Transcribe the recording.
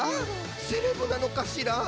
セレブなのかしら？